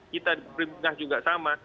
kita juga sama